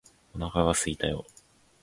お腹がすいたよ